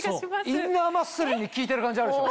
インナーマッスルに効いてる感じあるでしょ？